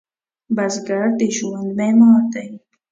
بزګر د ژوند معمار دی